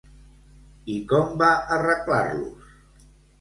I com va arreglar-los?